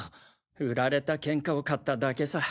売られたケンカを買っただけさ。